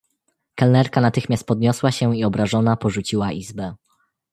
"Kelnerka natychmiast podniosła się i obrażona porzuciła izbę."